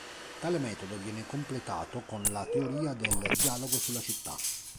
Tale metodo viene completato con la teoria del "Dialogo sulla Città".